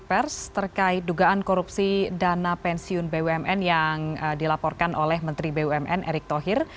pers terkait dugaan korupsi dana pensiun bumn yang dilaporkan oleh menteri bumn erick thohir